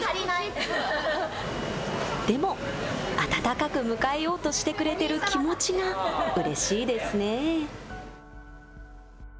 でも、温かく迎えようとしてくれている気持ちがうれしいですね。